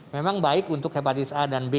memang baik untuk hepatitis a dan b